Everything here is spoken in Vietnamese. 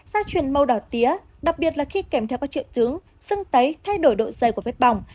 da truyền màu đỏ tía đặc biệt là khi kèm theo các triệu chứng sưng tấy thay đổi độ dây của vết bỏng